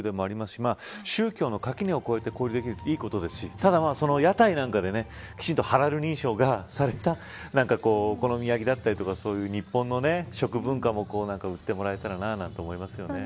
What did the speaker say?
し宗教の垣根を越えて交流できるっていいことですしただ、屋台なんかできちんとハラル認証がされたお好み焼きだったりとかそういう日本の食文化も売ってもらえたらなんて思いますよね。